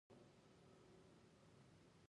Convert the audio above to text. پیاز د ګرمې هوا ضد دی